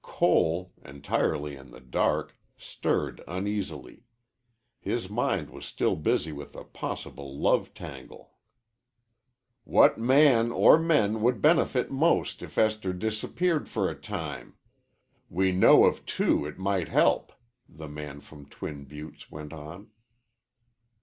Cole, entirely in the dark, stirred uneasily. His mind was still busy with a possible love tangle. "What man or men would benefit most if Esther disappeared for a time? We know of two it might help," the man from Twin Buttes went on.